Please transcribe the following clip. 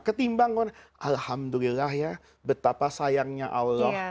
ketimbang alhamdulillah ya betapa sayangnya allah